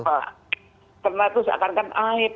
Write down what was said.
karena itu seakan akan aib